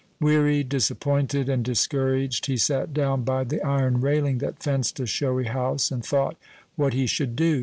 Weary, disappointed, and discouraged, he sat down by the iron railing that fenced a showy house, and thought what he should do.